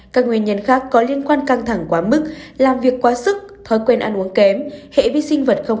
các nguyên nhân khác có liên quan căng thẳng